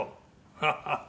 「ハハハ」